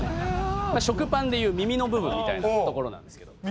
食パンで言う耳の部分みたいな所なんですけど。